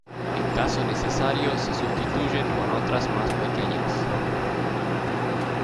En caso necesario se sustituyen con otras más pequeñas.